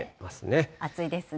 暑いですね。